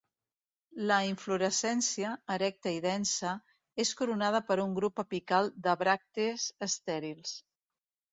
La inflorescència, erecta i densa, és coronada per un grup apical de bràctees estèrils.